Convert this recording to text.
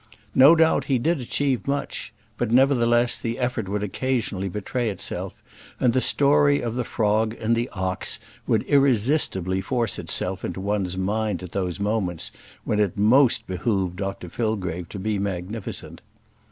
No doubt he did achieve much; but, nevertheless, the effort would occasionally betray itself, and the story of the frog and the ox would irresistibly force itself into one's mind at those moments when it most behoved Dr Fillgrave to be magnificent.